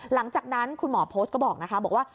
หลังจากนั้นคุณหมอโพสต์ก็บอกนะคะบอกว่า